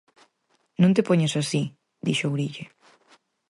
_Non te poñas así _dixo Ourille_.